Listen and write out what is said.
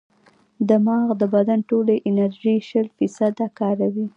دماغ د بدن ټولې انرژي شل فیصده کاروي.